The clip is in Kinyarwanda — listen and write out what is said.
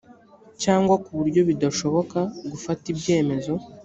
cyangwa ku buryo bidashoboka gufata ibyemezo